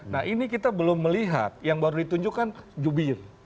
nah ini kita belum melihat yang baru ditunjukkan jubir